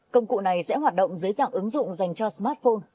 công cụ này sẽ hoạt động dưới dạng ứng dụng dành cho smartphone